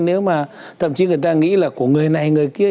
nếu mà thậm chí người ta nghĩ là của người này người kia